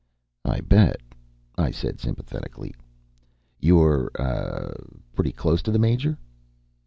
"I bet," I said sympathetically. "You're, uh, pretty close to the Major?"